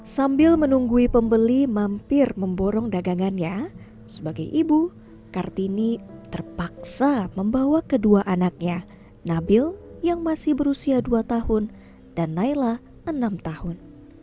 sambil menunggu pembeli mampir memborong dagangannya sebagai ibu kartini terpaksa membawa kedua anaknya nabil yang masih berusia dua tahun dan naila enam tahun